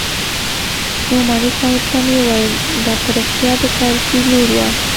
نعماني صاحب ته مې وويل دا په رښتيا د کرزي لور وه.